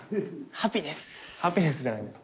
ハピネスじゃない。